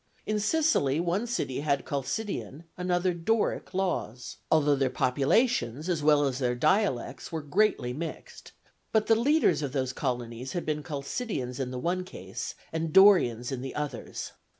In Sicily, one city had Chalcidian, another Doric laws, although their populations, as well as their dialects, were greatly mixed; but the leaders of those colonies had been Chalcidians in the one case and Dorians in the others.